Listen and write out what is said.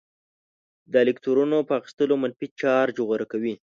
د الکترونونو په اخیستلو منفي چارج غوره کوي.